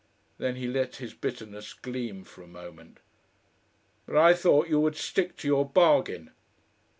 Then he let his bitterness gleam for a moment. "But I thought you would stick to your bargain."